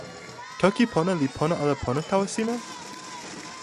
toki pona li pona ala pona tawa sina?